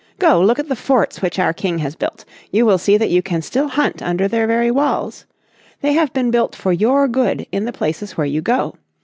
"Go, look at the forts which our King has built, you will see that you can still hunt under their very walls. They have been built for your good in the places where you go.